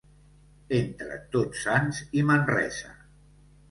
Entre Tots Sants i Manresa.